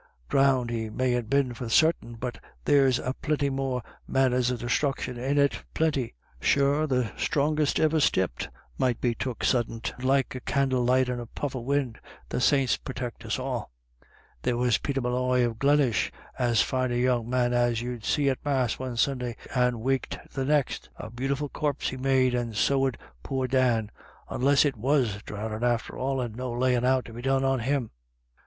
Dhrownded he mayn't be for sartin, but there's plinty more manners of desthruction in it — plinty. Sure the strongest iver stepped might be took suddint, like a candle light in a puff of win' — the saints purtect us all. There was Peter Molloy of Glenish, as fine a young man as you'd see, at Mass one Sunday, and waked the next A beautiful corp he made, and so 'ud poor Dan — onless it was dhrownin' after all, and no layin' out to be done on him."